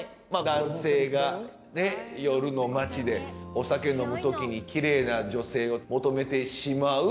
男性がねっ夜の街でお酒飲む時にきれいな女性を求めてしまう。